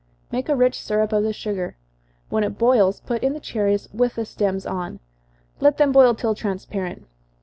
Make a rich syrup of the sugar when it boils, put in the cherries, with the stems on let them boil till transparent.